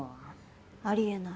あり得ない。